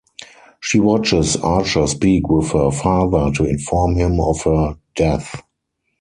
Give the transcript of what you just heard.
She watches Archer speak with her father to inform him of her "death".